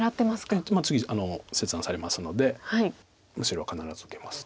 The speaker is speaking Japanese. ええ次切断されますので白は必ず受けます。